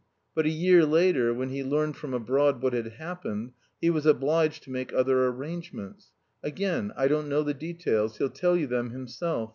But a year later, when he learned from abroad what had happened, he was obliged to make other arrangements. Again, I don't know the details; he'll tell you them himself.